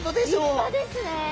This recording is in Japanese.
立派ですね。